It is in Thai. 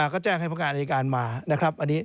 ก็แจ้งให้พงานเอกาารมานะครับ